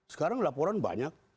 sekarang laporan banyak